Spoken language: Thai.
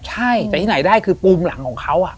ใช่แต่ที่ไหนได้คือปูมหลังของเขา